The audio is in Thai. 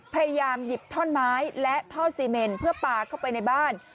พยายามหยิบท่อนไม้และท่อซีเมนเพื่อปลาเข้าไปในบ้าน